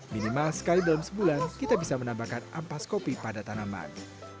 minimal sekali dalam sebulan kita bisa menambahkan ampas kopi pada tanaman